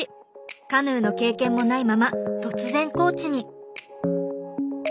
カヌーの経験もないまま突然コーチに。